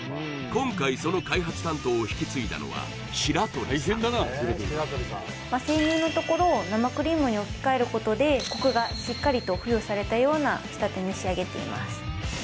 今回その開発担当を引き継いだのは白鳥さん生乳のところを生クリームに置き換えることでコクがしっかりと付与されたような仕立てに仕上げています